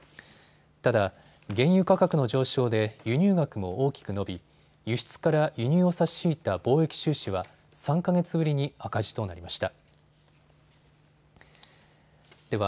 ただ原油価格の上昇で輸入額も大きく伸び輸出から輸入を差し引いた貿易収支は３か月ぶりに赤字となりました。